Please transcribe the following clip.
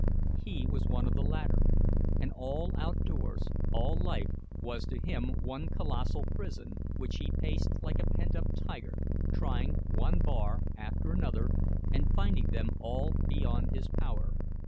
He was one of the latter; and all outdoors, all life, was to him one colossal prison, which he paced like a pent up tiger, trying one bar after another, and finding them all beyond his power.